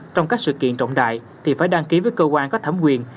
trong các sự kiện trọng đại thì phải đăng ký với cơ quan có thẩm quyền